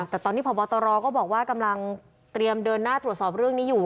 แต่ตอนนี้พบตรก็บอกว่ากำลังเตรียมเดินหน้าตรวจสอบเรื่องนี้อยู่